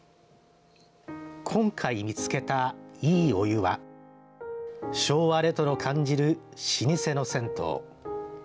今回見つけた、いいお湯は昭和レトロ感じる老舗の銭湯。